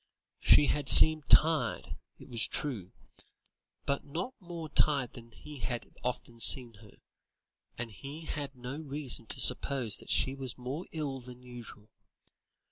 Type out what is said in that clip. She had seemed tired, it was true, but not more tired than he had often seen her, and he had no reason to suppose that she was more ill than usual.